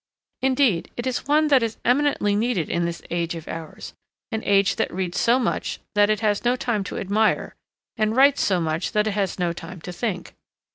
Indeed, it is one that is eminently needed in this age of ours, an age that reads so much, that it has no time to admire, and writes so much, that it has no time to think.